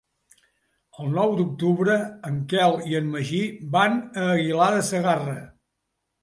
El nou d'octubre en Quel i en Magí van a Aguilar de Segarra.